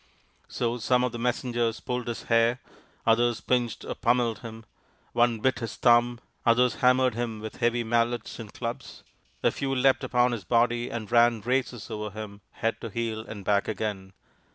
So some of the messengers pulled his hair ; others pinched or pummelled him ; one bit his thumb ; others hammered him with heavy mallets and clubs ; a few leapt upon his body and ran races over him from head to heel and back again.